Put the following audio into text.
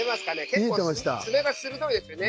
結構、爪が鋭いですね。